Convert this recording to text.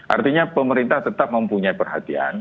artinya pemerintah tetap mempunyai perhatian